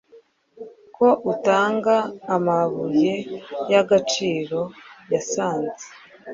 ko utanga amabuye yagaciro yasanze I